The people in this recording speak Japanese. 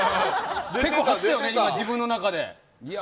結構、張ってたよね、自分の中で。